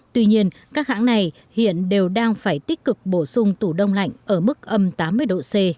tuy nhiên các hãng này hiện đều đang phải tích cực bổ sung tủ đông lạnh ở mức âm tám mươi độ c